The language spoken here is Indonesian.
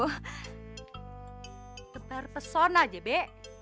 tepi arpesona jebe